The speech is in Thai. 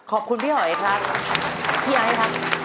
ขอบคุณพี่หอยครับพี่ไอ้ครับ